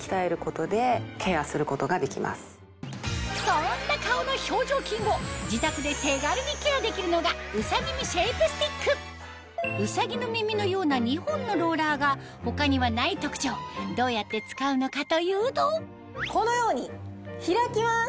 そんな顔の表情筋を自宅で手軽にケアできるのがうさぎの耳のような２本のローラーが他にはない特徴どうやって使うのかというとこのように開きます！